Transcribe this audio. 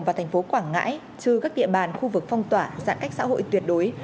và thành phố quảng ngãi trừ các địa bàn khu vực phong tỏa giãn cách xã hội tuyệt đối